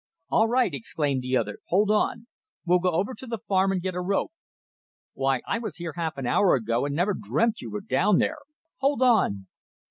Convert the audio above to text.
"All right!" exclaimed the other. "Hold on! We'll go over to the farm and get a rope. Why, I was here half an hour ago, and never dreamt you were down there. Hold on!"